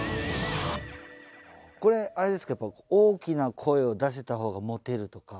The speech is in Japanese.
これあれですかやっぱり大きな声を出せた方がモテるとか？